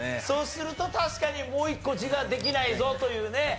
そうすると確かにもう一個字ができないぞというね。